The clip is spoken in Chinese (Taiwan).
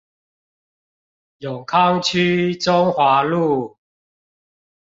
永康區中華路